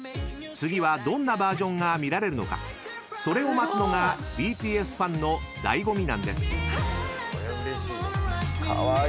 ［次はどんなバージョンが見られるのかそれを待つのがＢＴＳファンの醍醐味なんです］